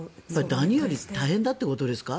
ダニより大変だということですか？